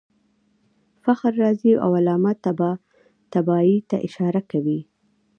فخر رازي او علامه طباطبايي ته اشاره کوي.